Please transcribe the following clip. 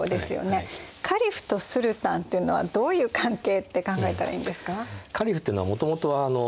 カリフとスルタンっていうのはどういう関係って考えたらいいんですか？